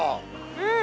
うん。